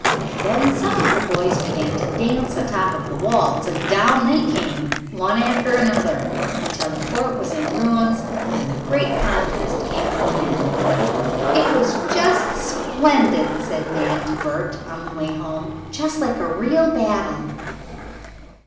Then some of the boys began to dance on the top of the walls, and down they came, one after another, until the fort was in ruins, and the great contest came to an end. "It was just splendid!" said Nan to Bert, on the way home. "Just like a real battle."